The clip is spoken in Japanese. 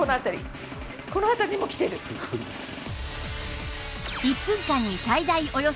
すごいですね。